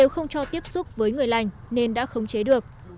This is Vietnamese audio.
không cho tiếp xúc với người lành nên đã khống chế được